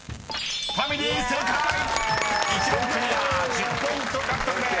１０ポイント獲得です］